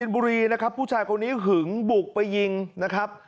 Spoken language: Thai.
บุรีนะครับผู้ชายคนนี้หึงบุกไปยิงนะครับ